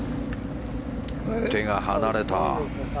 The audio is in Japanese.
手が離れた。